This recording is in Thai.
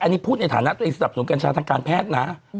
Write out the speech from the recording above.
อันนี้พูดในฐานะตัวเองสนับสนุนกัญชาทางการแพทย์นะ